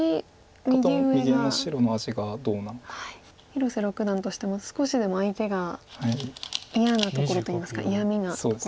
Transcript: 広瀬六段としても少しでも相手が嫌なところといいますか嫌みなところを。